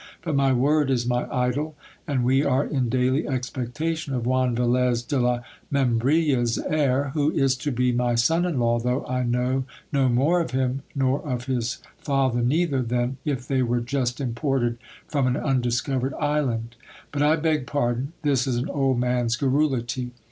But my word is my idol ; and we are in daily expectation of Juan Velez de la Membrilla's heir, who is to be my son in law, though I know no more of him, nor of his father neither, than if they were just imported from an undiscovered island. But I beg pardon ; this is an old man's garrulity.